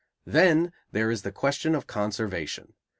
Then there is the question of conservation.